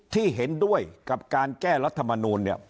ที่เห็นด้วยกับการแก้รัฐมนูลเนี่ย